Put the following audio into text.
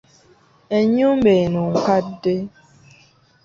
Ennyumba eno nkadde.